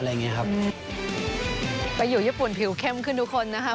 ไปอยู่ญี่ปุ่นผิวเข้มขึ้นทุกคนนะคะ